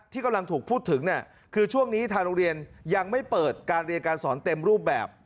ที่กำลังถูกพูดถึงคือช่วงนี้ทางโรงเรียนยังไม่เปิดการเรียนการสอนเต็มรูปแบบ